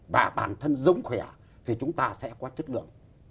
và bản thân giống khỏe thì chúng ta sẽ có chất lượng